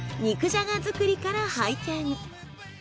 肉じゃが作りから拝見。